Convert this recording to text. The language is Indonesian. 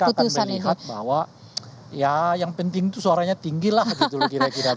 kita akan melihat bahwa ya yang penting itu suaranya tinggi lah gitu loh kira kira